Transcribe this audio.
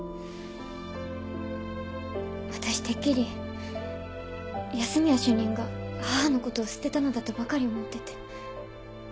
私てっきり安洛主任が母の事を捨てたのだとばかり思ってて。